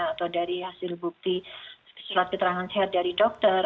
atau dari hasil bukti surat keterangan sehat dari dokter